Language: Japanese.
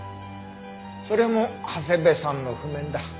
それも長谷部さんの譜面だ。